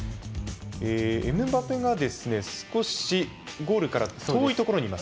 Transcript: エムバペが少しゴールから遠いところにいます。